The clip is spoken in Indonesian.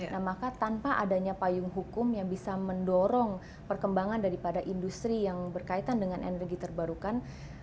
nah maka tanpa adanya payung hukum yang bisa mendorong perkembangan daripada industri yang berkaitan dengan energi terbarukan